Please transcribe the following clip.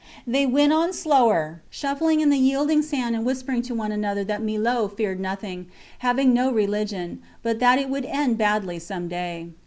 They went on slower, shuffling in the yielding sand and whispering to one another that Millot feared nothing, having no religion, but that it would end badly some day.